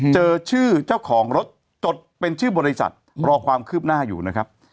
เจอชื่อเจ้าของรถจดเป็นชื่อบริษัทรอความคืบหน้าอยู่นะครับ